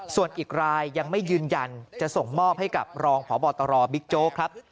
ส่วนอีกรายยังไม่ยืนยันจะส่งมอบให้กับรองพบตรบิ๊กโจ๊กครับ